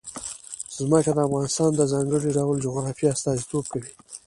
ځمکه د افغانستان د ځانګړي ډول جغرافیه استازیتوب کوي.